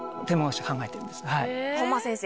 本間先生。